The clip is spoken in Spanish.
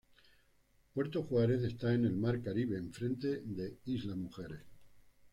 Puerto Juárez está en el mar Caribe en frente de Isla Mujeres.